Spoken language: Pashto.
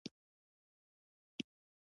ایا له ګاونډیانو سره ستونزې لرئ؟